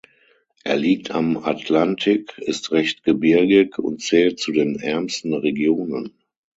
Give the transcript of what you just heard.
Er liegt am Atlantik, ist recht gebirgig und zählt zu den ärmsten Regionen.